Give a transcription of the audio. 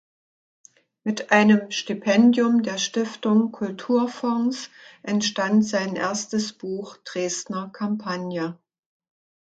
Mit einem Stipendium der Stiftung Kulturfonds entstand sein erstes Buch „Dresdner Kampagne“.